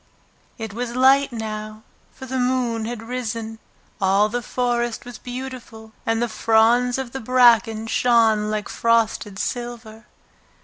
It was light now, for the moon had risen. All the forest was beautiful, and the fronds of the bracken shone like frosted silver.